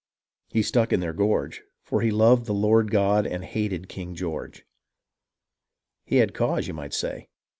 He stuck in their gorge, For he loved the Lord God and he hated King George. He had cause, you might say